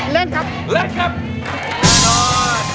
เล่นเล่นเล่น